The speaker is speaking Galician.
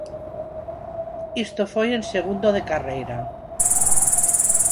Isto foi en segundo de carreira.